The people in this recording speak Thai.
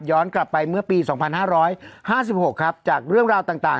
กลับไปเมื่อปี๒๕๕๖ครับจากเรื่องราวต่าง